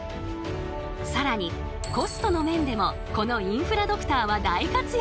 更にコストの面でもこのインフラドクターは大活躍。